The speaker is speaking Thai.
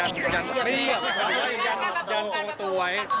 ตัวตัว๘๗